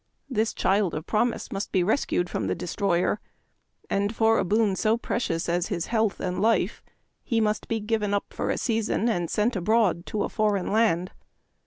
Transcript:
This child of prom ise must be rescued from the destroyer, and for a boon so precious as his health and life he 30 Memoir of Washington Irving. must be given up for a season and sent abroad to a foreign land.